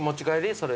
それ。